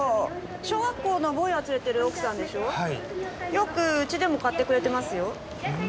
よくうちでも買ってくれてます。